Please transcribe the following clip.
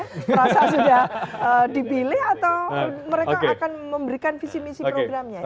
merasa sudah dipilih atau mereka akan memberikan visi misi programnya